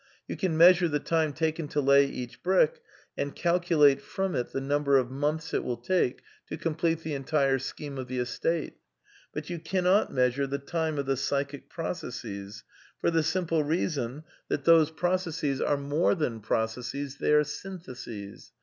You can measure the time taken to lay each brick, and calculate from it the number of months it will take to complete the entire scheme of the Estate ; but you cannot measure the time of the psychic processes, for the simple reason that those proc 108 A DEFENCE OF IDEALISM 08868 are more than processes, they are syntheses.